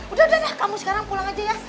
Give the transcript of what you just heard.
udah udah deh kamu sekarang pulang aja ya